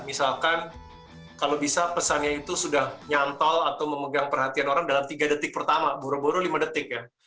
misalkan kalau bisa pesannya itu sudah nyantol atau memegang perhatian orang dalam tiga detik pertama buru buru lima detik ya